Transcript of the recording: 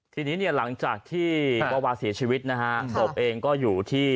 ทีนี้เนี่ยหลังจากที่วาวาเสียชีวิตนะฮะศพเองก็อยู่ที่